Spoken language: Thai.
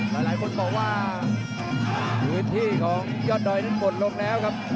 หลายคนบอกว่าพื้นที่ของยอดดอยนั้นหมดลงแล้วครับ